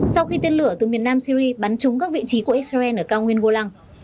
sau khi tên lửa từ miền nam syri bắn trúng các vị trí của israel ở cao nguyên golang